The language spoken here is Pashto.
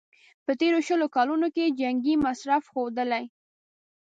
په تېرو شلو کلونو کې یې جنګي مصرف ښودلی.